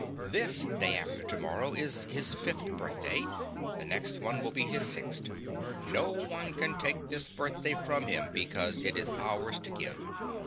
This Day After Tomorrow is his fifth birthday; the next one will be his sixth. No one can take this birthday from him because it is ours to give.